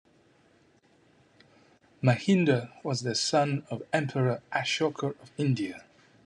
Mahinda was the son of Emperor Ashoka of India.